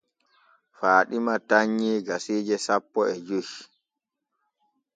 Faaɗima tannyii gasiije sapo e joy.